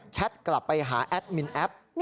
กลับไปหาแอดมินแอป